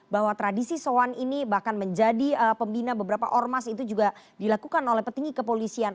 bahwa tradisi soan ini bahkan menjadi pembina beberapa ormas itu juga dilakukan oleh petinggi kepolisian